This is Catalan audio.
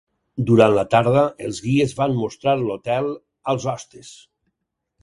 Durant la tarda, els guies van mostrar l'hotel als hostes.